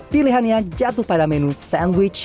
pilihannya jatuh pada menu sandwich